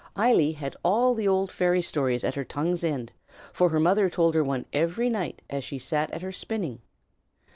Eily had all the old fairy stories at her tongue's end, for her mother told her one every night as she sat at her spinning.